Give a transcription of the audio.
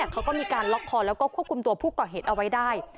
เขาก็มีการล็อกคอแล้วก็ควบคุมตัวผู้ก่อเหตุเอาไว้ได้